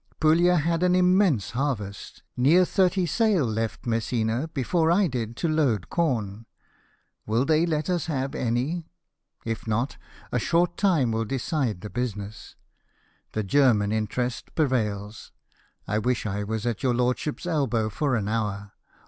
Puglia had an im mense harvest, near thirty sail left Messina before I did to load corn. Will they let us have any ? If not, a short time will decide the business. The German interest prevails. I wish I was at your lordship's elbow for an hour.